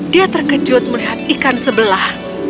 dia terkejut melihat ikan sebelah